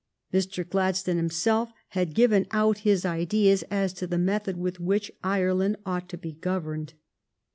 Mr. Gladstone himself had given out his ideas as to the method with which Ireland ought to be governed.